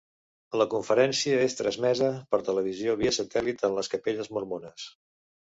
La conferència és transmesa per televisió via satèl·lit en les capelles mormones.